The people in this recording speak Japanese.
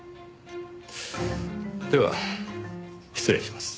では失礼します。